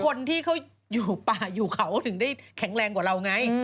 คนที่เขาอยู่ป่าอยู่เขาถึงได้แข็งแรงกว่าเราไง